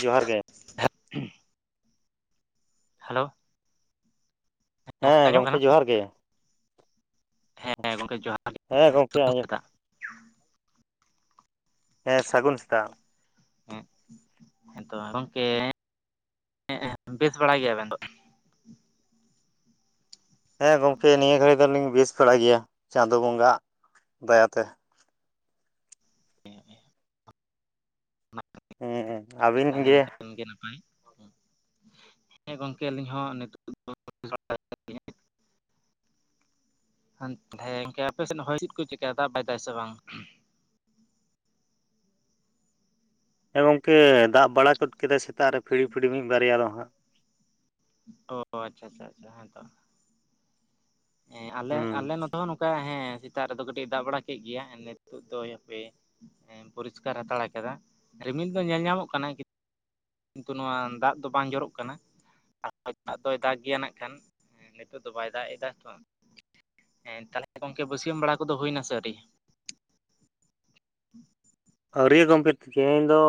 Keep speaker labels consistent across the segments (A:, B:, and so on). A: ᱡᱚᱦᱟᱨ ᱜᱮ᱾
B: ᱦᱮᱞᱳ᱾
A: ᱦᱮᱸ
B: ᱜᱚᱝᱠᱮ
A: ᱦᱮᱸ
B: ᱟᱸᱡᱚᱢᱚᱜ
A: ᱜᱚᱢᱠᱮ
B: ᱠᱟᱱᱟ
A: ᱡᱚᱦᱟᱨ ᱜᱮ᱾
B: ᱦᱮᱸ ᱜᱚᱝᱠᱮ ᱡᱚᱦᱟᱨ ᱜᱮ
A: ᱦᱮᱸ ᱜᱚᱝᱠᱮ
B: ᱥᱟᱹᱜᱩᱱ
A: ᱟᱸᱡᱚᱢ
B: ᱥᱮᱛᱟᱜ
A: ᱦᱮᱸ ᱥᱟᱹᱜᱩᱱ ᱥᱮᱛᱟᱜ᱾
B: ᱦᱮᱸ᱾ ᱦᱮᱸᱛᱚ ᱜᱚᱢᱠᱮ ᱵᱮᱥ ᱵᱟᱲᱟᱭ ᱜᱮᱭᱟᱵᱮᱱ ᱛᱚ?
A: ᱦᱮᱸ ᱜᱚᱢᱠᱮ ᱱᱤᱭᱟᱹ ᱜᱷᱟᱹᱲᱤ ᱫᱚᱞᱤᱧ ᱵᱮᱥ ᱵᱟᱲᱟᱭ ᱜᱮᱭᱟ᱾ ᱪᱟᱸᱫᱳ ᱵᱚᱸᱜᱟᱣᱟᱜ ᱫᱟᱭᱟᱛᱮ᱾
B: [unintelligible]
A: ᱦᱮᱸ
B: [unintelligible] ᱛᱟᱦᱮᱸ
A: ᱟᱹᱵᱤᱱ
B: ᱞᱮᱱᱠᱷᱟᱱ ᱜᱮ ᱱᱟᱯᱟᱭ᱾ ᱦᱮᱸ ᱜᱚᱝᱠᱮ ᱟᱹᱞᱤᱧ ᱦᱚᱸ ᱱᱤᱛᱚᱜ ᱫᱚ [unintelligible] [unintelligible] ᱜᱚᱝᱠᱮ ᱟᱯᱮᱥᱮᱫ ᱦᱚᱭ ᱪᱮᱫ ᱠᱟ, ᱫᱟᱜ ᱫᱟᱭ ᱫᱟᱭ ᱥᱮ ᱵᱟᱝ?
A: ᱦᱮᱸ ᱜᱚᱝᱠᱮ ᱫᱟᱜ ᱵᱟᱲᱟ ᱜᱚᱫ ᱠᱮᱫᱟᱭ ᱥᱮᱛᱟᱜ ᱨᱮ ᱯᱷᱤᱲᱤ ᱯᱷᱤᱲᱤ ᱢᱤᱫ ᱵᱟᱨᱭᱟ ᱫᱚ ᱦᱟᱸᱜ᱾
B: ᱚ ᱟᱪᱪᱷᱟ ᱟᱪᱪᱷᱟ ᱟᱪᱪᱷᱟ ᱦᱮᱸ ᱛᱚ᱾ ᱦᱮᱸ ᱟᱞᱮ
A: ᱦᱩᱸ
B: ᱟᱞᱮ ᱱᱚᱛᱮ ᱦᱚᱸ ᱱᱚᱠᱟ ᱛᱟ ᱦᱮᱸ ᱥᱮᱛᱟᱜ ᱨᱮᱫᱚ ᱠᱟᱹᱴᱤᱡ-ᱮ ᱫᱟᱜ ᱵᱟᱲᱟ ᱠᱮᱫ ᱜᱮᱭᱟ᱾ ᱮ ᱱᱤᱛᱚᱜ ᱫᱚᱭ ᱦᱟᱯᱮ ᱦᱮᱸ ᱯᱚᱨᱤᱥᱠᱟᱨ ᱦᱟᱛᱟᱲ ᱟᱠᱟᱫᱟ ᱨᱤᱢᱤᱞ ᱫᱚ ᱧᱮᱞ ᱧᱟᱢᱚᱜ ᱠᱟᱱᱟᱭ ᱠᱤᱱᱛᱩ ᱱᱚᱣᱟ ᱫᱟᱜ ᱫᱚ ᱵᱟᱝ ᱡᱚᱨᱚᱜ ᱠᱟᱱᱟ ᱟᱨ ᱫᱟᱜ ᱫᱚᱭ ᱫᱟᱜᱽ ᱜᱮᱭᱟ ᱱᱟᱜᱠᱷᱟᱱ᱾ ᱦᱮᱸ ᱱᱤᱛᱳᱜ ᱫᱚ ᱵᱟᱭ ᱫᱟᱜ ᱮᱫᱟ ᱛᱷᱚ᱾ ᱦᱮᱸ ᱛᱟᱦᱚᱞᱮ ᱜᱚᱢᱠᱮ ᱵᱟᱹᱥᱭᱟᱹᱢ ᱵᱟᱲᱟ ᱠᱚᱫᱚ ᱦᱩᱭᱱᱟ ᱥᱮ ᱟᱹᱣᱨᱤ?
A: ᱟᱹᱣᱨᱤᱭᱟ ᱜᱚᱢᱠᱮ ᱛᱮᱦᱮᱧ ᱫᱚ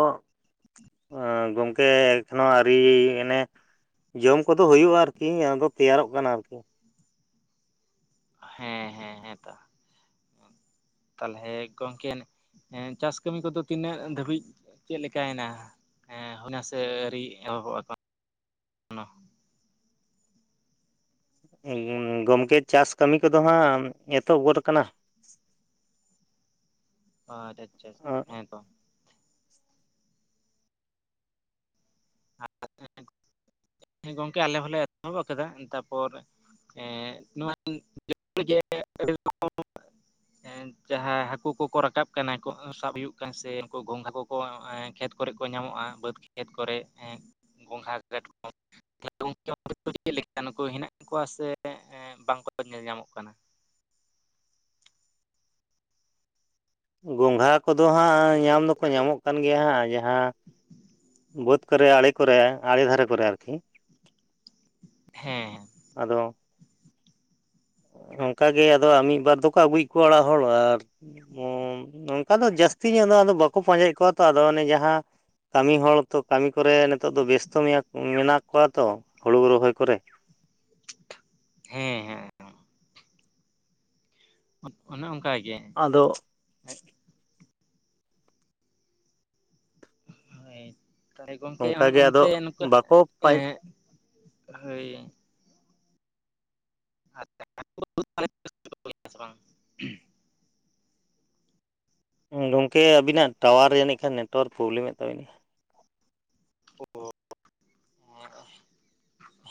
A: ᱚ ᱜᱚᱝᱠᱮ ᱮᱠᱷᱚᱱᱳ ᱟᱹᱨᱤ ᱮᱱᱮ ᱡᱚᱢ ᱠᱚᱫᱚ ᱦᱩᱭᱩᱜᱼᱟ ᱟᱨᱠᱤ ᱟᱫᱚ ᱛᱮᱭᱟᱨᱚᱜ ᱠᱟᱱᱟ ᱟᱨᱠᱤ᱾
B: ᱦᱮᱸ ᱦᱮᱸ ᱦᱮᱸᱛᱚ᱾ ᱛᱟᱦᱞᱮ ᱜᱚᱝᱠᱮ ᱚᱱᱮ ᱦᱮᱸ ᱪᱟᱥ ᱠᱟᱹᱢᱤ ᱠᱚᱫᱚ ᱛᱤᱱᱟᱹᱜ ᱫᱷᱟᱹᱵᱤᱡ ᱪᱮᱫ ᱞᱮᱠᱟᱭᱱᱟ? ᱦᱮᱸ ᱦᱩᱭᱱᱟ ᱥᱮ ᱟᱹᱨᱤ ᱮᱦᱚᱵᱚᱜ-ᱟ ᱮᱠᱷᱚᱱᱚ?
A: ᱜᱚᱢᱠᱮ ᱪᱟᱥ ᱠᱟᱹᱢᱤ ᱠᱚᱫᱚ ᱦᱟᱸᱜ ᱮᱛᱚᱦᱚᱵ ᱜᱚᱫ ᱟᱠᱟᱱᱟ᱾
B: [unintelligible]
A: ᱚ᱾
B: ᱦᱮᱸ ᱛᱚ᱾ ᱦᱮᱸ ᱜᱚᱝᱠᱮ ᱟᱞᱮ ᱦᱚᱸᱞᱮ ᱮᱛᱚᱦᱚᱵ ᱟᱠᱟᱫᱟ᱾ ᱛᱟᱨᱯᱚᱨ ᱮᱸᱜ ᱱᱚᱣᱟ [unintelligible] ᱡᱟᱦᱟᱸ ᱦᱟᱹᱠᱩ ᱠᱚᱠᱚ ᱨᱟᱠᱟᱵ ᱠᱟᱱᱟ ᱠᱚ, ᱥᱟᱵ ᱦᱩᱭᱩᱜ ᱠᱟᱱ ᱥᱮ ᱩᱱᱠᱩ ᱜᱚᱝᱜᱷᱟ ᱠᱚᱠᱚ ᱠᱷᱮᱛ ᱠᱚᱨᱮ ᱠᱚ ᱧᱟᱢᱚᱜᱼᱟ, ᱵᱟᱹᱫᱽ ᱠᱷᱮᱛ ᱠᱚᱨᱮ ᱜᱚᱸᱜᱷᱟ ᱠᱟᱴᱠᱚᱢ [unintelligible] ᱪᱮᱫ ᱞᱮᱠᱟ ᱱᱩᱠᱩ ᱦᱮᱱᱟᱜ ᱠᱚᱣᱟ ᱥᱮ ᱮᱸᱜ ᱵᱟᱝᱠᱚ ᱧᱮᱞ ᱧᱟᱢᱚᱜ ᱠᱟᱱᱟ?
A: ᱜᱚᱝᱜᱷᱟ ᱠᱚᱫᱚ ᱦᱟᱸᱜ ᱧᱟᱢ ᱫᱚᱠᱚ ᱧᱟᱢᱚᱜ ᱠᱟᱱ ᱜᱮᱭᱟ ᱦᱟᱸᱜ ᱡᱟᱦᱟᱸ ᱵᱟᱹᱫᱽ ᱠᱚᱨᱮ ᱟᱲᱮ ᱠᱚᱨᱮ, ᱟᱲᱮ ᱫᱷᱟᱨᱮ ᱠᱚᱨᱮ ᱟᱨᱠᱤ᱾
B: ᱦᱮᱸ ᱦᱮᱸ᱾
A: ᱟᱫᱚ ᱚᱱᱠᱟ ᱜᱮ ᱟᱫᱚ ᱟᱨ ᱢᱤᱫ ᱵᱟᱨ ᱫᱚᱠᱚ ᱟᱹᱜᱩᱭᱮᱫ ᱠᱚᱣᱟ ᱚᱲᱟᱜ ᱦᱚᱲ᱾ ᱟᱨ ᱚ ᱚᱱᱠᱟ ᱫᱚ ᱡᱟᱹᱥᱛᱤ ᱧᱚᱜ ᱫᱚ ᱟᱫᱚ ᱵᱟᱠᱚ ᱯᱟᱸᱡᱟᱭᱮᱫ ᱠᱚᱣᱟ ᱛᱚ ᱟᱫᱚ ᱚᱱᱮ ᱡᱟᱦᱟᱸ ᱠᱟᱹᱢᱤ ᱦᱚᱲ ᱛᱚ ᱠᱟᱹᱢᱤ ᱠᱚ ᱨᱮ ᱱᱤᱛᱚᱜ ᱫᱚ ᱵᱮᱥᱛᱚ ᱢᱮᱭᱟ ᱢᱮᱱᱟᱜ ᱠᱚᱣᱟ ᱛᱚ, ᱦᱩᱲᱩ ᱨᱚᱦᱚᱭ ᱠᱚᱨᱮ ᱾
B: ᱦᱚᱸ ᱦᱚᱸ ᱦᱚᱸ ᱾ ᱚᱱᱮ ᱚᱱᱠᱟᱭ ᱜᱮ ᱾
A: ᱟᱫᱚᱼᱼ
B: ᱦᱮᱸᱜ ᱾ ᱦᱳᱭ ᱛᱟᱦᱞᱮ ᱜᱚᱢᱠᱮ ᱟᱢ
A: ᱚᱱᱠᱟᱜᱮ ᱟᱫᱚ
B: ᱚᱱᱛᱮ ᱱᱩᱠᱩ
A: ᱵᱟᱠᱚ
B: ᱮ [unintelligible] ᱦᱳᱭ ᱾ ᱟᱪᱪᱷᱟ ᱦᱩᱭᱮᱜᱼᱟ ᱥᱮ ᱵᱟᱝ [unintelligible]
A: ᱜᱚᱝᱠᱮ ᱟᱵᱤ ᱱᱟᱜ ᱴᱟᱣᱟᱨ ᱡᱟᱹᱱᱤᱡ ᱠᱷᱟᱱ ᱱᱮᱴᱣᱟᱨᱠ ᱯᱨᱚᱵᱞᱮᱢ ᱮᱫ ᱛᱟᱵᱤᱱᱟ?
B: ᱚ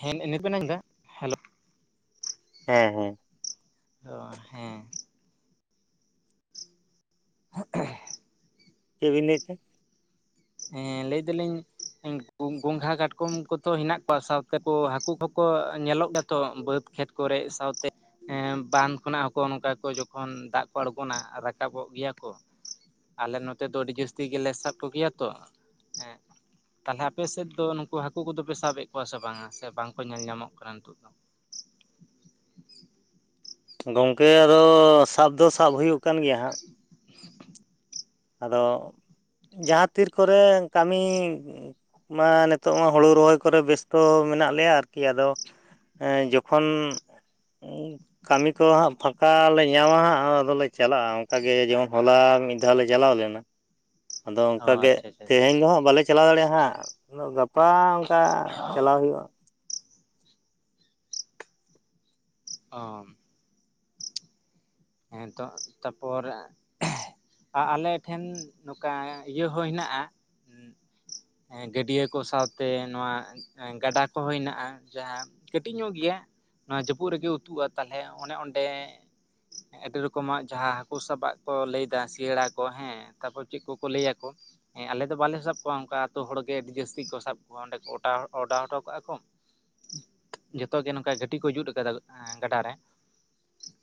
B: ᱦᱮᱸ ᱱᱤᱛ ᱵᱮᱱ ᱟᱸᱡᱚᱢᱫᱟ ᱦᱮᱞᱳᱼᱼ
A: ᱦᱮᱸ ᱦᱮᱸ ᱾
B: ᱚ ᱦᱮᱸ᱾ [inaudible]
A: ᱪᱮᱫ ᱵᱤᱱ ᱞᱟᱹᱭ ᱠᱮᱜᱼᱟ?
B: ᱦᱮᱸ ᱞᱟᱹᱭ ᱫᱟᱞᱤᱧᱼᱼ ᱜᱚᱸᱜᱷᱟ ᱠᱟᱴᱠᱚᱢ ᱠᱚ ᱛᱚ ᱦᱮᱱᱟᱜ ᱠᱚᱣᱟ ᱥᱟᱶᱛᱮ ᱠᱚ ᱦᱟᱹᱠᱩ ᱠᱚᱠᱚ ᱧᱮᱞᱚᱜ ᱜᱮᱭᱟ ᱛᱚ ᱵᱟᱹᱫᱽ ᱠᱷᱮᱛᱼᱼ ᱠᱚᱨᱮᱜ, ᱥᱟᱶᱛᱮᱼᱼ ᱦᱮᱸ ᱵᱟᱸᱫᱽ ᱠᱷᱚᱱᱟᱜ ᱦᱚᱸ ᱠᱚ ᱱᱚᱝᱠᱟ ᱠᱚ ᱡᱚᱠᱷᱚᱱ ᱫᱟᱜ ᱠᱚ ᱟᱬᱜᱚᱱᱟ ᱨᱟᱠᱟᱵᱚᱜ ᱜᱮᱭᱟ ᱠᱚ ᱾ ᱟᱞᱮ ᱱᱚᱛᱮ ᱫᱚ ᱟᱹᱰᱤ ᱡᱟᱹᱥᱛᱤ ᱜᱮᱞᱮ ᱥᱟᱵ ᱠᱚᱜᱮᱭᱟ ᱛᱚ ᱦᱮᱸ᱾ ᱛᱟᱞᱦᱮ ᱟᱯᱮ ᱥᱮᱫ ᱫᱚ ᱱᱩᱠᱩ ᱦᱟᱹᱠᱩ ᱠᱚᱫᱚ ᱯᱮ ᱥᱟᱵᱮᱫ ᱠᱚᱣᱟ ᱥᱮ ᱵᱟᱝᱟ, ᱥᱮ ᱵᱟᱝᱠᱚ ᱧᱮᱞ ᱧᱟᱢᱚᱜ ᱠᱟᱱᱟ ᱱᱤᱛᱚᱜ ᱫᱚ?
A: ᱜᱚᱝᱠᱮ ᱟᱫᱚ ᱥᱟᱵ ᱫᱚ ᱥᱟᱵ ᱦᱩᱭᱩᱜᱼᱼ ᱠᱟᱱ ᱜᱮᱭᱟ ᱦᱟᱜ ᱾
B: [inaudible]
A: ᱟᱫᱚ ᱡᱟᱦᱟᱸ ᱛᱤᱨ ᱠᱚᱨᱮ ᱠᱟᱹᱢᱤᱼᱼ ᱢᱟ ᱱᱤᱛᱚᱜ ᱢᱟ ᱦᱩᱲᱩ ᱨᱚᱦᱚᱭ ᱠᱚ ᱨᱮ ᱵᱮᱥᱛᱚ ᱢᱮᱱᱟᱜ ᱞᱮᱭᱟ, ᱟᱨᱠᱤ ᱟᱫᱚᱼᱼ ᱮᱸ ᱡᱚᱠᱷᱚᱱᱼᱼ
B: [unintelligible]
A: ᱠᱟᱹᱢᱤ ᱠᱚ ᱦᱟᱸᱜ ᱯᱷᱟᱠᱟ ᱞᱮ ᱧᱟᱢᱟ ᱦᱟᱸᱜ, ᱟᱫᱚ ᱞᱮ ᱪᱟᱞᱟᱜᱼᱟ ᱚᱝᱠᱟᱜ ᱜᱮ ᱡᱮᱢᱚᱱ ᱦᱚᱞᱟ ᱢᱤᱫ ᱫᱷᱟᱣ ᱞᱮᱼᱼ ᱪᱟᱞᱟᱣ ᱞᱮᱱᱟ, ᱟᱫᱚ
B: ᱚ
A: ᱚᱱᱠᱟ ᱜᱮ
B: ᱟᱪᱪᱷᱟ ᱟᱪᱪᱷᱟ
A: ᱛᱮᱦᱮᱧ ᱫᱚ ᱦᱟᱸᱜ ᱵᱟᱞᱮ ᱪᱟᱞᱟᱣ ᱫᱟᱲᱮᱭᱟᱜᱼᱟ ᱦᱟᱸᱜ ᱾ ᱩᱱᱫᱳ ᱜᱟᱯᱟ ᱚᱱᱠᱟ ᱪᱟᱞᱟᱣ ᱦᱩᱭᱩᱜᱼᱟ ᱾
B: ᱚᱸ ᱦᱮᱸ ᱛᱚ ᱛᱟᱯᱚᱨᱮ [inaudible] ᱟᱞᱮ ᱴᱷᱮᱱ ᱱᱚᱝᱠᱟ ᱤᱭᱟᱹ ᱦᱚᱸ ᱦᱮᱱᱟᱜᱼᱟᱼᱼ ᱜᱟᱹᱰᱤᱭᱟᱹ ᱠᱚ ᱥᱟᱶᱛᱮ ᱱᱚᱣᱟᱼᱼ ᱜᱟᱰᱟ ᱠᱚ ᱦᱚᱸ ᱦᱮᱱᱟᱜᱼᱟ, ᱡᱟᱦᱟᱸ ᱠᱟᱹᱴᱤᱡ ᱧᱚᱜ ᱜᱮᱭᱟ ᱾ ᱱᱚᱣᱟ ᱡᱟᱹᱯᱩᱫ ᱨᱮᱜᱮ ᱩᱛᱩᱜᱼᱟ ᱛᱟᱞᱦᱮ ᱚᱱᱮ ᱚᱸᱰᱮᱼᱼ ᱟᱹᱰᱤ ᱨᱚᱠᱚᱢᱟᱜ ᱡᱟᱦᱟᱸ ᱦᱟᱹᱠᱩ ᱥᱟᱵᱟᱜ ᱠᱚ ᱞᱟᱹᱭᱮᱫᱟ ᱥᱤᱭᱟᱹᱲᱟ ᱠᱚ ᱦᱮᱸ, ᱛᱟᱯᱚᱨᱮ ᱪᱮᱫ ᱠᱚᱠᱚ ᱞᱟᱹᱭᱟ ᱠᱚ ᱾ ᱦᱮᱸ ᱟᱞᱮ ᱫᱚ ᱵᱟᱞᱮ ᱥᱟᱵ ᱠᱚᱣᱟ ᱚᱱᱠᱟ ᱟᱛᱩ ᱦᱚᱲᱜᱮ ᱟᱹᱰᱤ ᱡᱟᱹᱥᱛᱤ ᱠᱚ ᱥᱟᱵ ᱠᱚᱣᱟ, ᱚᱸᱰᱮ ᱠᱚ ᱚᱰᱟᱣ ᱦᱚᱴᱚ ᱠᱟᱜᱼᱟ ᱠᱚᱼᱼ ᱡᱚᱛᱚ ᱜᱮ ᱱᱚᱝᱠᱟ ᱜᱷᱟᱹᱴᱤ ᱠᱚ ᱡᱩᱛ ᱠᱟᱫᱟ ᱜᱟᱰᱟᱨ ᱨᱮ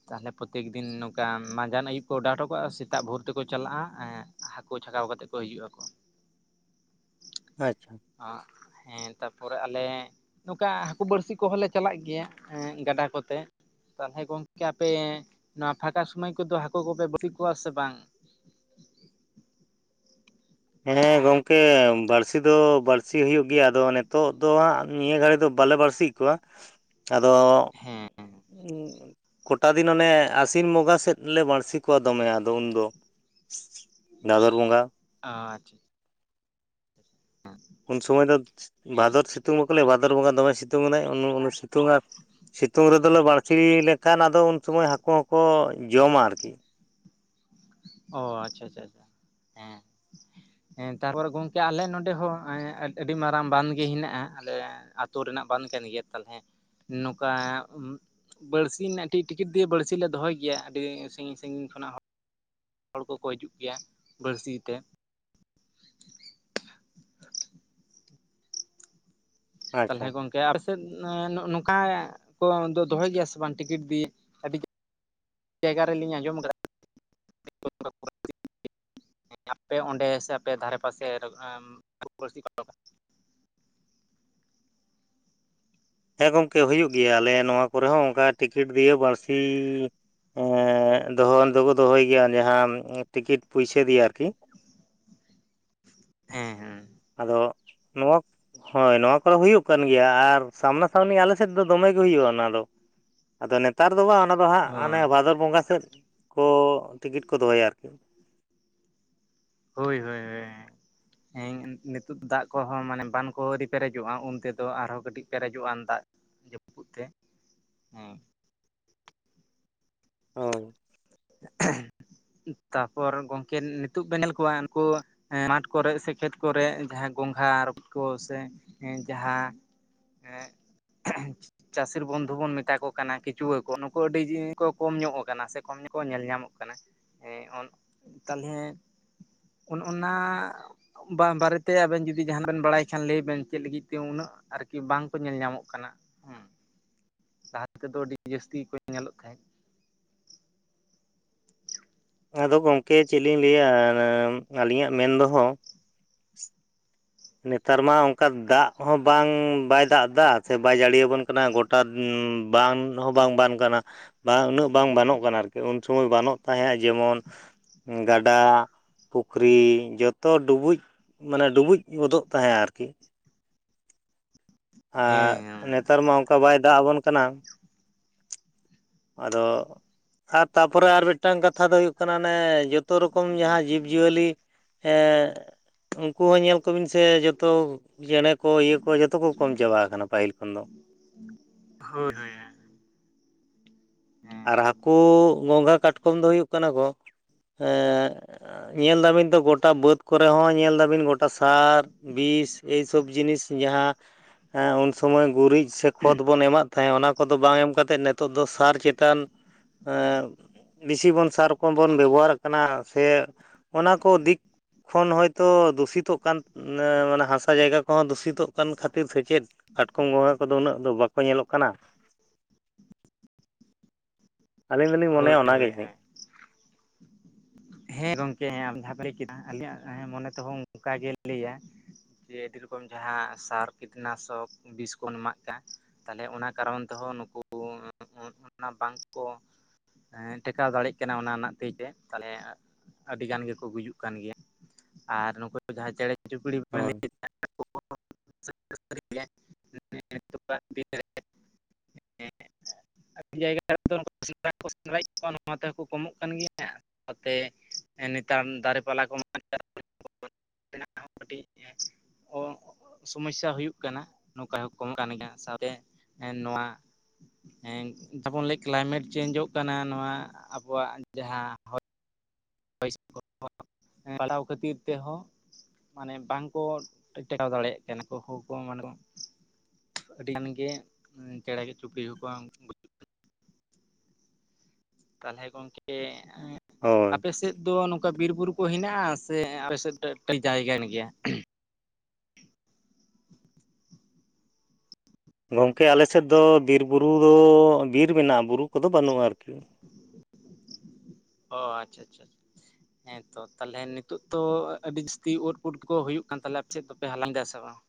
B: ᱛᱟᱞᱦᱮᱼᱼ ᱯᱨᱚᱛᱛᱮᱠ ᱫᱤᱱ ᱱᱚᱝᱠᱟ ᱢᱟᱸᱡᱟᱱ ᱟᱹᱭᱩᱵ ᱠᱚ ᱚᱰᱟᱣ ᱦᱚᱴᱚ ᱠᱟᱜᱼᱟ, ᱥᱮᱛᱟᱜ ᱵᱷᱩᱨ ᱛᱮᱠᱚ ᱪᱟᱞᱟᱜᱼᱟ ᱾ ᱦᱟᱹᱠᱩ ᱪᱷᱟᱠᱟᱣ ᱠᱟᱛᱮᱜ ᱠᱚ ᱦᱤᱡᱩᱜ ᱟᱠᱚ ᱾
A: ᱟᱪᱪᱷᱟ ᱾
B: ᱦᱮᱸ ᱛᱟᱨᱯᱚᱨᱮ ᱟᱞᱮᱼᱼ ᱱᱚᱝᱠᱟ ᱦᱟᱹᱠᱩ ᱵᱟᱹᱲᱥᱤ ᱠᱚ ᱦᱚᱸ ᱞᱮ ᱪᱟᱞᱟᱜ ᱜᱮᱭᱟ ᱜᱟᱰᱟ ᱠᱚᱛᱮ ᱾ ᱛᱟᱞᱦᱮ ᱜᱚᱝᱠᱮ ᱟᱯᱮ, ᱱᱚᱣᱟ ᱯᱷᱟᱠᱟ ᱥᱩᱢᱟᱹᱭ ᱠᱚᱫᱚ ᱦᱟᱹᱠᱩ ᱠᱚ ᱯᱮ ᱵᱟᱹᱲᱥᱤ ᱠᱚᱣᱟ ᱥᱮ ᱵᱟᱝ?
A: ᱦᱮᱸ ᱜᱚᱝᱠᱮ ᱵᱟᱲᱥᱤ ᱫᱚ ᱵᱟᱲᱥᱤ ᱦᱩᱭᱩᱜ ᱜᱮᱭᱟ ᱟᱫᱚ ᱱᱤᱛᱚᱜ ᱫᱚ ᱦᱟᱸᱜ ᱱᱤᱭᱟᱹ ᱜᱷᱟᱹᱲᱤᱡ ᱫᱚ ᱵᱟᱞᱮ ᱵᱟᱲᱥᱤᱭᱮᱫ ᱠᱚᱣᱟ᱾
B: [inaudible]
A: ᱟᱫᱚᱻ
B: ᱦᱮᱸ
A: ᱦᱩᱸ ᱠᱚᱴᱟ ᱫᱤᱱ ᱚᱱᱮ ᱟᱥᱤᱱ ᱵᱚᱸᱜᱟ ᱥᱮᱫ ᱞᱮ ᱵᱟᱬᱥᱤ ᱠᱚᱣᱟ ᱫᱚᱢᱮ ᱟᱫᱚ ᱩᱱᱫᱚ᱾ ᱵᱷᱟᱫᱚᱨ ᱵᱚᱸᱜᱟ,
B: ᱟᱻ ᱪᱷᱟ᱾
A: ᱩᱱ ᱥᱚᱢᱚᱭ ᱫᱚ
B: ᱦᱮᱸ
A: ᱵᱷᱟᱫᱚᱨ ᱥᱤᱛᱩᱝ ᱠᱟᱱᱟᱭ, ᱵᱷᱟᱫᱚᱨ ᱵᱚᱸᱜᱟ ᱫᱚᱢᱮ ᱥᱤᱛᱩᱝ ᱠᱟᱱᱟᱭ, ᱩᱱ ᱩᱱ ᱥᱤᱛᱩᱝᱟᱭ᱾ ᱥᱤᱛᱩᱝ ᱨᱮᱫᱚᱞᱮ ᱵᱟᱬᱥᱤ ᱞᱮᱠᱷᱟᱱ ᱟᱫᱚ ᱩᱱ ᱥᱢᱟᱹᱭ ᱦᱟᱹᱠᱩ ᱦᱚᱸᱠᱚ ᱡᱚᱢᱟ ᱟᱨᱠᱤ᱾
B: ᱚ, ᱟᱪᱪᱷᱟ ᱟᱪᱪᱷᱟ ᱪᱷᱟ ᱦᱮᱸ᱾ ᱦᱮᱸ ᱛᱟᱨᱯᱚᱨᱮ ᱜᱚᱝᱠᱮ ᱟᱞᱮ ᱱᱚᱸᱰᱮ ᱮᱸ ᱟᱹᱰᱤ ᱢᱟᱨᱟᱝ ᱵᱟᱸᱫᱽᱜᱮ ᱦᱮᱱᱟᱜ-ᱟ ᱟᱞᱮ ᱟᱹᱛᱩ ᱨᱮᱱᱟᱜ ᱵᱟᱸᱫᱽ ᱠᱟᱱ ᱜᱮᱭᱟ ᱛᱟᱞᱦᱮ ᱱᱚᱝᱠᱟ, ᱩᱸᱜ ᱵᱟᱹᱲᱥᱤ ᱨᱮᱱᱟᱜ ᱴᱤ ᱴᱤᱠᱤᱴ ᱫᱤᱭᱮ ᱵᱟᱹᱲᱥᱤ ᱞᱮ ᱫᱚᱦᱚᱭ ᱜᱮᱭᱟ ᱟᱹᱰᱤ ᱥᱟᱜᱤᱧ ᱥᱟᱜᱤᱧ ᱠᱷᱚᱱᱟᱜ ᱦᱚᱸ ᱦᱚᱲ ᱠᱚᱠᱚ ᱦᱤᱡᱩᱜ ᱜᱮᱭᱟ ᱵᱟᱹᱲᱥᱤ ᱛᱮ᱾
A: ᱟᱪᱪᱷᱟ
B: ᱛᱟᱞᱦᱮ ᱜᱚᱝᱠᱮ ᱟᱨ ᱥᱮᱫ ᱱᱚ-ᱱᱚᱝᱠᱟ ᱠᱚ ᱫᱚᱦᱚᱭ ᱜᱮᱭᱟ ᱥᱮ ᱵᱟᱝ ᱴᱤᱠᱤᱴ ᱫᱤᱭᱮ? ᱟᱹᱰᱤ ᱡᱟᱭᱜᱟ ᱨᱮᱞᱤᱧ ᱟᱸᱡᱚᱢ ᱠᱟᱫᱟ [unintelligible] ᱟᱯᱮ ᱚᱸᱰᱮ ᱥᱮ ᱟᱯᱮ ᱫᱷᱟᱨᱮ ᱯᱟᱥᱮ ᱮᱸᱻ ᱦᱟᱹᱠᱩ ᱵᱟᱹᱲᱥᱤ ᱠᱚ [unintelligible]
A: ᱦᱮᱸ ᱜᱚᱝᱠᱮ ᱦᱩᱭᱩᱜ ᱜᱮᱭᱟ, ᱟᱞᱮ ᱱᱚᱣᱟ ᱠᱚᱨᱮ ᱦᱚᱸ ᱚᱝᱠᱟ ᱴᱤᱠᱤᱴ ᱫᱤᱭᱮ ᱵᱟᱬᱥᱤ ᱮᱸᱻᱜ, ᱫᱚᱦᱚ ᱫᱚᱠᱚ ᱫᱚᱦᱚᱭ ᱜᱮᱭᱟ ᱡᱟᱦᱟᱸ ᱴᱤᱠᱤᱴ ᱯᱩᱭᱥᱟᱹ ᱫᱤᱭᱮ ᱟᱨᱠᱤ᱾
B: ᱦᱮᱸ ᱦᱮᱸ᱾
A: ᱟᱫᱚ ᱱᱚᱣᱟ ᱦᱳᱭ, ᱱᱚᱣᱟ ᱠᱚᱫᱚ ᱦᱩᱭᱩᱜ ᱠᱟᱱ ᱜᱮᱭᱟ ᱟᱨ ᱥᱟᱢᱱᱟ ᱥᱟᱢᱱᱤ ᱟᱞᱮ ᱥᱮᱫ ᱫᱚ ᱫᱚᱢᱮ ᱜᱮ ᱦᱩᱭᱩᱜ-ᱟ ᱚᱱᱟ ᱫᱚ᱾ ᱟᱫᱚ ᱱᱮᱛᱟᱨ ᱫᱚ ᱵᱟ, ᱚᱱᱟ ᱫᱚ ᱦᱟᱸᱜ ᱦᱟᱱᱮ
B: ᱦᱳᱭ
A: ᱵᱷᱟᱫᱚᱨ ᱵᱚᱸᱜᱟ ᱥᱮᱫ ᱠᱚ ᱴᱤᱠᱤᱴ ᱠᱚ ᱫᱚᱦᱚᱭᱟ ᱟᱨᱠᱤ᱾
B: ᱦᱳᱭ ᱦᱳᱭ ᱦᱳᱭ ᱮᱸᱻ᱾ ᱦᱮᱸ ᱱᱤᱛᱳᱜ ᱫᱟᱜ ᱠᱚᱦᱚᱸ ᱢᱟᱱᱮ ᱵᱟᱱ ᱠᱚ ᱟᱹᱣᱨᱤ ᱯᱮᱨᱮᱡᱚᱜ-ᱟ ᱩᱱ ᱛᱮᱫᱚ ᱟᱨᱦᱚᱸ ᱠᱟᱹᱴᱤᱡ ᱯᱮᱨᱮᱡᱚᱜ-ᱟ ᱫᱟᱜ᱾ ᱡᱟᱹᱯᱩᱫ ᱛᱮ ᱦᱩᱸ᱾
A: ᱦᱚᱸ᱾
B: ᱛᱟᱯᱚᱨ ᱜᱚᱝᱠᱮ ᱱᱤᱛᱳᱜ ᱵᱮᱱ ᱧᱮᱞ ᱠᱚᱣᱟ ᱩᱝᱠᱩ ᱮᱸ, ᱢᱟᱴᱷ ᱠᱚᱨᱮᱜ ᱥᱮ ᱠᱷᱮᱛ ᱠᱚᱨᱮᱜ ᱡᱟᱦᱟᱸ ᱜᱚᱝᱜᱷᱟ, ᱨᱚᱠᱚᱡ ᱠᱚ ᱥᱮ ᱡᱟᱦᱟᱸ ᱮᱸᱜ ᱪᱟᱹᱥᱤᱨ ᱵᱚᱱᱫᱷᱩ ᱵᱚᱱ ᱢᱮᱛᱟ ᱠᱚ ᱠᱟᱱᱟ ᱠᱤᱪᱩᱣᱟᱹ ᱠᱚ ᱱᱩᱠᱩ ᱟᱹᱰᱤ ᱡᱤ ᱠᱚ ᱠᱚᱢ ᱧᱚᱜ ᱠᱟᱱᱟ ᱥᱮ ᱠᱚᱢ ᱧᱚᱜ ᱠᱚ ᱧᱮᱞ ᱧᱟᱢᱚᱜ ᱠᱟᱱᱟ, ᱮᱸ ᱚᱱ ᱛᱟᱞᱦᱮ ᱚᱱ-ᱚᱱᱟ ᱵᱟᱝ, ᱵᱟᱨᱮᱛᱮ ᱟᱵᱮᱱ ᱡᱩᱫᱤ ᱡᱟᱸᱦᱟᱱᱟᱜ ᱵᱮᱱ ᱵᱟᱲᱟᱭ ᱠᱷᱟᱱ ᱞᱟᱹᱭ ᱵᱮᱱ ᱪᱮᱫ ᱞᱟᱹᱜᱤᱫ ᱛᱮ ᱩᱱᱟᱹᱜ ᱟᱨᱠᱤ ᱵᱟᱝ ᱛᱚ ᱧᱮᱞ ᱧᱟᱢᱚᱜ ᱠᱟᱱᱟ, ᱦᱩᱸ᱾ ᱞᱟᱦᱟ ᱛᱮᱫᱚ ᱟᱹᱰᱤ ᱡᱟᱹᱥᱛᱤ ᱠᱚ ᱧᱮᱞᱚᱜ ᱛᱟᱦᱮᱸᱫ᱾
A: ᱟᱫᱚ ᱜᱚᱝᱠᱮ ᱪᱮᱫ ᱞᱤᱧ ᱞᱟᱹᱭᱟ ᱟᱱᱟ ᱟᱹᱞᱤᱧᱟᱜ ᱢᱮᱱ ᱫᱚᱦᱚ [inaudible] ᱱᱮᱛᱟᱨ ᱢᱟ ᱚᱝᱠᱟ ᱫᱟᱜ ᱦᱚᱸ ᱵᱟᱝ, ᱵᱟᱭ ᱫᱟᱜᱫᱟ ᱥᱮ ᱵᱟᱭ ᱡᱟᱹᱲᱤᱭᱟᱵᱚᱱ ᱠᱟᱱᱟ ᱜᱚᱴ ᱢᱟ, ᱵᱟᱱ ᱦᱚᱸ ᱵᱟᱝ ᱵᱟᱝᱴᱱ ᱠᱟᱱᱟ᱾ ᱵᱟᱝ ᱩᱱᱟᱹᱜ ᱵᱟᱝ ᱵᱟᱱᱚᱜ ᱠᱟᱱᱟ ᱟᱨᱠᱤ, ᱩᱱ ᱥᱚᱢᱚᱭ ᱵᱟᱹᱱᱩᱜ ᱛᱟᱦᱮᱸᱷ-ᱟ ᱡᱮᱢᱚᱱ ᱜᱟᱰᱟ, ᱯᱩᱠᱷᱨᱤ ᱡᱚᱛᱚ ᱰᱩᱵᱩᱡ ᱢᱟᱱᱮ ᱰᱩᱵᱩᱡ ᱜᱚᱫᱚᱜ ᱛᱟᱦᱮᱸᱜ-ᱟ ᱟᱨᱠᱤ᱾ ᱟᱨ
B: ᱦᱮᱸ
A: ᱱᱮᱛᱟᱨ ᱢᱟ ᱚᱝᱠᱟ ᱵᱟᱭ ᱫᱟᱜ ᱟᱵᱚᱱ ᱠᱟᱱᱟ᱾ ᱟᱫᱚ᱾ ᱟᱨ ᱛᱟᱯᱚᱨᱮ ᱟᱨ ᱢᱤᱫᱴᱟᱝ ᱠᱟᱛᱷᱟ ᱫᱚ ᱦᱩᱭᱩᱜ ᱠᱟᱱᱟ ᱚᱱᱮ ᱡᱚᱛᱚ ᱨᱚᱠᱚᱢ ᱡᱟᱦᱟᱸ ᱡᱤᱵᱽ-ᱡᱤᱭᱟᱹᱞᱤ ᱦᱮᱸ ᱩᱱᱠᱩ ᱦᱚᱸ ᱧᱮᱞ ᱠᱚᱵᱤᱱ ᱥᱮ ᱡᱚᱛᱚ ᱪᱮᱬᱮ ᱠᱚ, ᱤᱭᱟᱹ ᱠᱚ, ᱡᱚᱛᱚ ᱠᱚ ᱠᱚᱢ ᱪᱟᱵᱟ ᱟᱠᱟᱱᱟ ᱯᱟᱹᱦᱤᱞ ᱠᱷᱚᱱ ᱫᱚ᱾
B: ᱦᱳᱭ ᱡᱳᱭ ᱦᱳᱭ᱾
A: ᱟᱨ
B: ᱦᱮᱸ
A: ᱦᱟᱹᱠᱩ ᱜᱚᱝᱜᱷᱟ ᱠᱟᱴᱠᱚᱢ ᱫᱚ ᱦᱩᱭᱩᱜ ᱠᱟᱱᱟ ᱠᱚ ᱮᱸᱜ ᱧᱮᱞ ᱫᱟᱹᱵᱤᱱ ᱛᱚ ᱜᱚᱴᱟ ᱵᱟᱹᱫᱽ ᱠᱚᱨᱮ ᱦᱚᱸ ᱧᱮᱞ ᱫᱟᱹᱵᱤᱱ ᱜᱚᱴᱟ ᱥᱟᱨ ᱵᱤᱥ ᱮᱭ ᱥᱚᱵ ᱡᱤᱱᱤᱥ ᱡᱟᱦᱟᱸ ᱦᱮᱸ ᱩᱱ ᱥᱚᱢᱚᱭ ᱜᱩᱨᱤᱡ ᱥᱮ ᱠᱷᱚᱛ ᱵᱚᱱ ᱮᱢᱟᱜ ᱛᱟᱦᱮᱸᱫ ᱚᱱᱟ ᱠᱚᱫᱚ ᱵᱟᱝ ᱮᱢ ᱠᱟᱛᱮᱫ ᱱᱤᱛᱚᱜ ᱫᱚ ᱥᱟᱨ ᱪᱮᱛ ᱛᱟᱱ ᱮᱸ ᱵᱮᱥᱤ ᱵᱚᱱ ᱥᱟᱨ ᱨᱚᱠᱚᱢ ᱵᱚᱱ ᱵᱮᱵᱚᱦᱟᱨ ᱠᱟᱱᱟ ᱥᱮ ᱚᱱᱟ ᱠᱚ ᱫᱤᱠ ᱠᱷᱚᱱ ᱦᱚᱳᱭᱛᱚ ᱫᱩᱥᱤᱛᱚᱜ ᱠᱟᱱ ᱢᱟᱱᱮ ᱦᱟᱥᱟ ᱡᱟᱭᱜᱟ ᱠᱚᱦᱚᱸ ᱫᱩᱥᱤᱛᱚᱜ ᱠᱟᱱ ᱠᱷᱟᱹᱛᱤᱨ ᱥᱮ ᱪᱮᱫ? ᱠᱟᱴᱠᱚᱢ, ᱵᱚᱸᱜᱟ ᱠᱚᱫᱚ ᱩᱱᱟᱹᱜ ᱫᱚ ᱵᱟᱠᱚ ᱧᱮᱞᱚᱜ ᱠᱟᱱᱟ᱾ ᱟᱹᱞᱤᱧ ᱫᱚᱞᱤᱧ
B: ᱦᱳᱭ
A: ᱢᱚᱱᱮᱭᱟ ᱚᱱᱟ ᱜᱮ
B: ᱦᱳᱭ ᱦᱳᱭ
A: ᱡᱟᱱᱤᱡ᱾
B: ᱦᱮᱸ ᱜᱚᱝᱠᱮ ᱦᱮᱸ, ᱟᱢ ᱡᱟᱦᱟᱢ ᱞᱟᱹᱭ ᱠᱮᱫᱟ ᱟᱞᱤᱧ ᱦᱮᱸ ᱢᱚᱱᱮ ᱛᱮᱦᱚᱸ ᱚᱱᱠᱟ ᱜᱮ ᱞᱟᱹᱭᱟ᱾ ᱡᱮ ᱟᱹᱰᱤ ᱨᱚᱠᱚᱢ ᱡᱟᱦᱟᱸ ᱥᱟᱨ ᱠᱤᱴᱱᱟᱥᱚᱠ᱾ ᱵᱤᱥ ᱠᱚᱱ ᱮᱢᱟᱜ ᱠᱟᱱ ᱛᱟᱦᱚᱞᱮ ᱚᱱᱟ ᱠᱟᱨᱚᱱ ᱛᱮᱦᱚᱸ ᱱᱩᱠᱩ ᱚᱱᱟ ᱵᱟᱝᱠᱚ ᱴᱮᱠᱟᱣ ᱫᱟᱲᱮᱜ ᱠᱟᱱᱟ ᱚᱱᱟ ᱨᱮᱱᱟᱜ ᱛᱟᱹᱭ ᱛᱮᱫ᱾ ᱛᱟᱦᱚᱞᱮ ᱟᱹᱰᱤ ᱜᱟᱱ ᱜᱮᱠᱚ ᱜᱩᱡᱩᱜ ᱠᱟᱱ ᱜᱮᱭᱟ᱾ ᱟᱨ ᱱᱩᱠᱩ ᱡᱟᱦᱟᱸᱭ ᱪᱮᱬᱮ ᱪᱩᱯᱲᱤ ᱵᱮᱱ
A: ᱦᱳᱭ
B: ᱞᱟᱹᱭᱮᱫ [unintelligible] [unintelligible] [unintelligible] ᱛᱮ ᱱᱮᱛᱟᱨ ᱫᱟᱨᱮ ᱯᱟᱞᱟ ᱠᱚ [unintelligible] ᱛᱮᱱᱟᱜ ᱦᱚᱸ ᱠᱟᱹᱴᱤᱡ ᱚ ᱥᱚᱢᱚᱥᱥᱟ ᱦᱩᱭᱩᱜ ᱠᱟᱱᱟ ᱱᱚᱝᱠᱟ ᱦᱚᱸ ᱠᱚᱢᱚᱜ ᱠᱟᱱ ᱜᱮᱭᱟ ᱥᱟᱶᱛᱮ ᱱᱚᱣᱟ ᱦᱮᱸ ᱛᱟᱵᱚᱱ ᱞᱟᱹᱭ ᱠᱞᱟᱭᱢᱮᱴ ᱪᱮᱧᱡᱚᱜ ᱠᱟᱱᱟ ᱱᱚᱣᱟ ᱟᱵᱚᱣᱟᱜ ᱡᱟᱦᱟᱸ ᱦᱚᱭ [unintelligible] ᱯᱟᱞᱴᱟᱣ ᱠᱷᱟᱹᱛᱤᱨ ᱛᱮᱦᱚᱸ᱾ ᱢᱟᱱᱮ ᱵᱟᱝᱠᱚ ᱴᱮᱠᱟᱣ ᱫᱟᱲᱮᱭᱟᱜ ᱠᱟᱱᱟ ᱠᱚ ᱦᱳ ᱠᱚ ᱢᱟᱱᱮ ᱠᱚ ᱟᱹᱰᱤ ᱜᱟᱱ ᱜᱮ ᱪᱮᱬᱮ ᱪᱩᱯᱲᱤ ᱦᱚ ᱠᱚᱣᱟ ᱩᱱᱠᱩ ᱛᱟᱦᱚᱞᱮ ᱜᱚᱝᱠᱮ
A: ᱦᱳᱭ
B: ᱟᱯᱮ ᱥᱮᱫ ᱫᱚ ᱱᱚᱝᱠᱟ ᱵᱤᱨ ᱵᱩᱨᱩ ᱠᱚ ᱦᱮᱱᱟᱜᱼᱟ ᱥᱮ ᱟᱯᱮ ᱥᱮᱫ [inaudible] ᱡᱟᱭᱜᱟ ᱠᱟᱱ ᱜᱮᱭᱟ?
A: ᱜᱚᱝᱠᱮ ᱟᱞᱮ ᱥᱮᱫ ᱟᱫᱚ ᱵᱤᱨ ᱵᱩᱨᱩ ᱫᱚ ᱵᱤᱨ ᱢᱮᱱᱟᱜᱼᱟ ᱵᱩᱨᱩ ᱠᱚᱫᱚ ᱵᱟᱹᱱᱩᱜᱼᱟ ᱟᱨᱠᱤ᱾
B: ᱚ ᱟᱪᱪᱷᱟ ᱟᱪᱪᱷᱟ᱾ ᱦᱮᱸ ᱛᱚ ᱛᱟᱦᱚᱞᱮ ᱱᱤᱛᱳ ᱛᱚ ᱟᱹᱰᱤ ᱡᱟᱹᱥᱛᱤ ᱳᱫᱽ ᱯᱩᱴᱠᱟᱹ ᱠᱚ ᱦᱩᱭᱩᱜ ᱠᱟᱱ ᱛᱟᱞᱮᱭᱟ ᱟᱯᱮ ᱥᱮᱫ ᱫᱚᱯᱮ ᱦᱟᱞᱟᱝᱫᱟ ᱥᱮ ᱵᱟᱝ?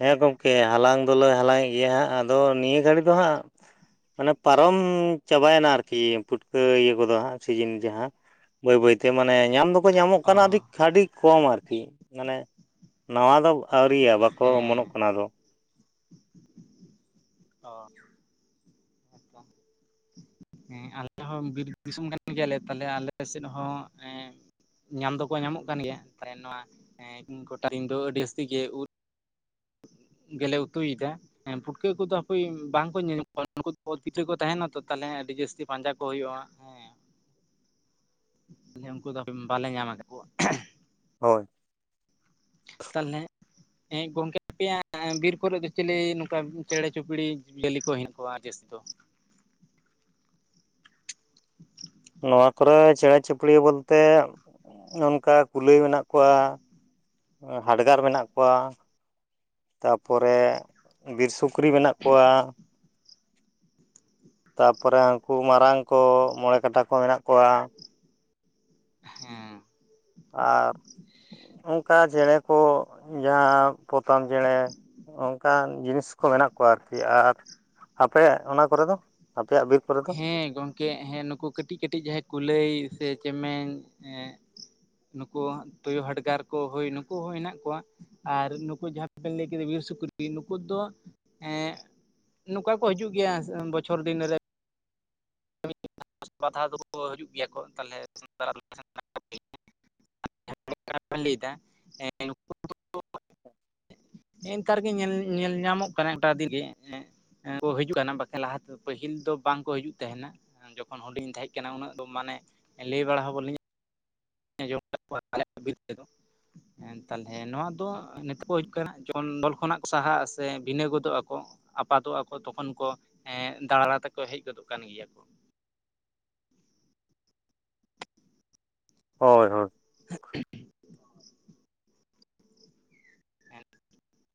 A: ᱦᱮᱸ ᱜᱚᱢᱠᱮ ᱦᱟᱞᱟᱝ ᱫᱚᱞᱮ ᱦᱟᱞᱟᱝ ᱮᱫ ᱜᱮᱭᱟ ᱦᱟᱸᱜ ᱟᱫᱚ ᱱᱤᱭᱟᱹ ᱜᱷᱟᱹᱲᱤ ᱫᱚ ᱦᱟᱸᱜ ᱢᱟᱱᱮ ᱯᱟᱨᱚᱢ ᱪᱟᱵᱟᱭᱮᱱᱟ ᱟᱨᱠᱤ ᱯᱩᱴᱠᱟᱹ ᱤᱭᱟᱹ ᱠᱚᱫᱚ ᱦᱟᱸᱜ ᱥᱤᱡᱤᱱ ᱡᱟᱦᱟᱸ᱾ ᱵᱟᱹᱭ ᱵᱟᱹᱭ ᱛᱮ ᱢᱟᱱᱮ ᱧᱟᱢ ᱫᱚᱠ ᱠᱚ ᱧᱟᱢᱚᱜ
B: ᱚ
A: ᱠᱟᱱᱟ ᱟᱹᱰᱤ ᱠᱷᱟᱹᱰᱤ ᱠᱚᱢ ᱟᱨᱠᱤ᱾ ᱢᱟᱱᱮ ᱱᱟᱣᱟ ᱫᱚ ᱟᱹᱣᱨᱤᱭᱟ᱾ ᱵᱟᱠᱚ ᱚᱢᱚᱱᱚᱜ
B: ᱦᱮᱸ᱾
A: ᱠᱟᱱᱟ ᱟᱫᱚ
B: ᱚ ᱦᱮᱸ ᱛᱚ᱾ ᱦᱮᱸ ᱟᱞᱮ ᱦᱚᱸ ᱵᱤᱨ ᱫᱤᱥᱚᱢ ᱠᱟᱱ ᱜᱮᱭᱟᱞᱮ ᱛᱟᱞᱦᱮ ᱟᱞᱮ ᱥᱮᱫ ᱦᱚᱸ ᱮᱸ ᱧᱟᱢ ᱫᱚᱠᱚ ᱧᱟᱢᱚᱜ ᱠᱟᱱ ᱜᱮᱭᱟ ᱛᱟᱦᱮ ᱱᱚᱣᱟ ᱮᱸ ᱠᱴᱟ ᱫᱤᱱ ᱟᱹᱰᱤ ᱡᱟᱹᱥᱛᱤ ᱜᱮ ᱩᱫᱽ ᱜᱮᱞᱮ ᱩᱛᱩᱭᱮᱫᱟ᱾ ᱦᱮᱸ ᱯᱷᱩᱴᱠᱟᱹ ᱠᱚᱫᱚ ᱦᱟᱠᱚᱭ ᱵᱟᱝᱠᱚ ᱧᱮᱞᱧᱟᱢᱚᱜ ᱠᱟᱱᱟ᱾ ᱩᱱᱠᱩ ᱯᱤᱫᱽᱨᱟᱹ ᱠᱚ ᱛᱟᱦᱮᱱᱟ ᱛᱚ ᱛᱟᱦᱮ ᱟᱹᱰᱤ ᱡᱟᱹᱥᱛᱤ ᱯᱟᱸᱡᱟ ᱠᱚ ᱦᱩᱭᱩᱜᱼᱟ ᱦᱮᱸ᱾ ᱟᱮ ᱛᱟᱦᱞᱮ ᱩᱱᱠᱩ ᱫᱚ ᱦᱟᱯᱮ ᱵᱟᱞᱮ ᱧᱟᱢ ᱟᱠᱟᱫ ᱠᱚᱣᱟ᱾
A: ᱦᱳᱭ᱾
B: ᱛᱟᱞᱦᱮ, ᱦᱮᱸ ᱜᱚᱝᱠᱮ ᱟᱯᱮᱭᱟᱜ ᱵᱤᱨ ᱠᱚᱨᱮ ᱫᱚ ᱪᱤᱞᱤ ᱱᱚᱝᱠᱟ ᱪᱮᱬᱮ ᱪᱩᱯᱲᱤ ᱡᱤᱭᱟᱹᱞᱤ ᱠᱚ ᱦᱮᱱᱟᱜ ᱠᱚᱣᱟ ᱡᱟᱹᱥᱛᱤ ᱫᱚ?
A: ᱱᱚᱣᱟ ᱠᱚᱨᱮ ᱪᱮᱬᱮ ᱪᱤᱯᱲᱤ ᱵᱚᱞᱛᱮ ᱚᱱᱠᱟ ᱠᱩᱞᱟᱹᱭ ᱢᱮᱱᱟᱜ ᱠᱚᱣᱟ᱾ ᱮᱸ ᱦᱟᱰᱜᱟᱨ ᱢᱮᱱᱟᱜ ᱠᱚᱣᱟ, ᱛᱟᱯᱚᱨᱮ ᱵᱤᱨ ᱥᱩᱠ ᱠᱨᱤ ᱢᱮᱱᱟᱜ ᱠᱚᱣᱟ, ᱛᱟᱯᱚᱨᱮ ᱦᱟᱹᱱᱠᱩ ᱢᱟᱨᱟᱝ ᱠᱚ ᱢᱚᱬᱮ ᱠᱟᱴᱟ ᱠᱚ ᱢᱮᱱᱟᱜ ᱠᱚᱣᱟ,
B: ᱦᱮᱸ᱾
A: ᱟᱨ ᱚᱱᱠᱟ ᱪᱮᱬᱮ ᱠᱚ ᱡᱟᱦᱟᱸ ᱯᱚᱛᱟᱢ ᱪᱮᱬᱮ, ᱚᱱᱠᱟᱱ ᱡᱤᱱᱤᱥ ᱠᱚ ᱢᱮᱱᱟᱜ ᱠᱚᱣᱟ ᱟᱨᱠᱤ ᱟᱨ ᱟᱯᱮᱭᱟᱜ ᱚᱱᱟ ᱠᱚᱨᱮ ᱫᱚ ᱟᱯᱮᱭᱟᱜ ᱵᱤᱨ ᱠᱚᱨᱮ ᱫᱚ
B: ᱦᱮᱸ ᱜᱚᱝᱠᱮ ᱦᱮᱸ ᱱᱩᱠᱩ ᱠᱟᱹᱴᱤᱡ ᱠᱟᱹᱴᱤᱡ ᱡᱟᱦᱟᱸᱭ ᱠᱩᱞᱟᱹᱭ ᱥᱮ ᱪᱮᱢᱮᱧ ᱮᱸ ᱱᱩᱠᱩ ᱛᱩᱭᱩ ᱦᱟᱰᱜᱟᱨ ᱠᱚ ᱦᱩᱭ ᱱᱩᱠᱩ ᱦᱚᱸ ᱦᱮᱱᱟᱜ ᱠᱚᱣᱟ᱾ ᱟᱨ ᱱᱩᱠᱩ ᱡᱟᱦᱟᱸ ᱵᱮᱱ ᱞᱟᱹᱭ ᱠᱮᱫᱟ ᱵᱤᱨ ᱥᱩᱠᱨᱤ ᱱᱩᱠᱩ ᱫᱚ ᱮᱸ ᱱᱚᱠᱟ ᱠᱚ ᱦᱤᱡᱩᱜ ᱜᱮᱭᱟ ᱵᱚᱪᱷᱚᱨ ᱫᱤᱱ ᱨᱮ, [inaudible] ᱵᱟᱫᱷᱟ ᱫᱚᱠᱚ ᱦᱤᱡᱩᱜ ᱜᱮᱭᱟ ᱠᱚ ᱛᱟᱞᱦᱮ [inaudible] [inaudible] ᱞᱟᱹᱭᱫᱟ [inaudible] ᱱᱮᱜ-ᱮ ᱱᱮᱛᱟᱨ ᱜᱮ ᱧᱮᱞ ᱧᱮᱞ ᱧᱟᱢᱚᱜ ᱠᱟᱱᱟ [inaudible] ᱜᱮ ᱮᱸᱜ ᱮᱸ ᱠᱚ ᱦᱤᱡᱩᱜ ᱠᱟᱱᱟ ᱵᱟᱠᱷᱟᱱ ᱞᱟᱦᱟ ᱛᱮᱫᱚ ᱯᱟᱹᱦᱤᱞ ᱫᱚ ᱵᱟᱝᱠᱚ ᱦᱤᱡᱩᱜ ᱛᱟᱦᱮᱱᱟ ᱡᱚᱠᱷᱚᱱ ᱦᱩᱰᱤᱧ ᱛᱟᱦᱮᱸᱜ ᱠᱟᱱᱟ ᱩᱱᱟᱹᱜ ᱫᱚ ᱢᱟᱱᱮ ᱞᱟᱹᱭ ᱵᱟᱲᱟ ᱦᱚ ᱵᱟᱞᱤᱧ [inaudible] ᱛᱟᱞᱦᱮ ᱱᱚᱣᱟ ᱫᱚ [inaudible] ᱫᱚᱞ ᱠᱷᱚᱱᱟᱜ ᱠᱚ ᱥᱟᱦᱟᱜᱼᱟ ᱥᱮ ᱵᱷᱤᱱᱟᱹ ᱜᱚᱫᱚᱜ ᱟᱠᱚ, ᱟᱯᱟᱛᱚᱜᱼᱟ ᱛᱚᱠᱷᱚᱱ ᱠᱚ ᱮᱸ ᱫᱟᱬᱟ ᱛᱮᱠᱚ ᱦᱮᱡ ᱜᱚᱫᱚᱜ ᱠᱟᱱ ᱜᱮᱭᱟ ᱠᱚ᱾
A: ᱦᱳᱭ ᱦᱳᱭ᱾
B: [inaudible] ᱦᱮᱸ᱾